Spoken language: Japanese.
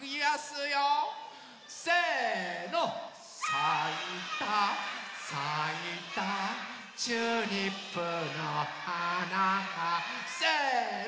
「さいたさいたチューリップのはなが」せの！